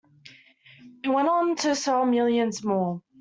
It went on to sell millions more.